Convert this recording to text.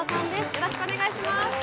よろしくお願いします。